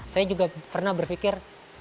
saya juga pernah berpikir